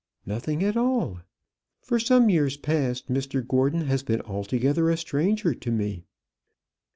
"Nothing at all. For some years past Mr Gordon has been altogether a stranger to me."